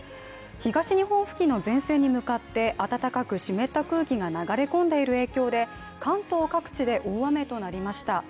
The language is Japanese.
東日本付近の前線に向かって暖かく湿った空気が流れ込んでいる影響で関東各地で大雨となりました。